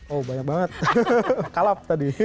oh banyak banget kalap tadi